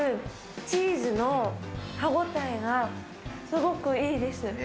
チーズの歯ごたえがすごくいいです。